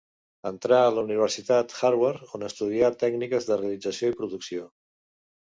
Entrà a la Universitat Harvard on estudià tècniques de realització i producció.